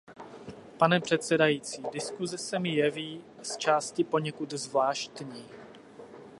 Pane předsedající, diskuse se mi jeví z části poněkud zvláštní.